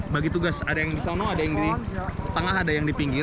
bagi tugas ada yang di sana ada yang di tengah ada yang di pinggir